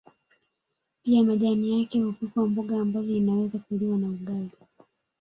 Pia majani yake hupikwa mboga ambayo inaweza kuliwa na ugali